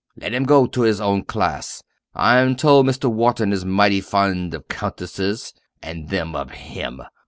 Let him go to his own class I'm told Mr. Wharton is mighty fond of countesses, and they of him!